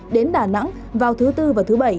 đến đà nẵng vào thứ bốn và thứ bảy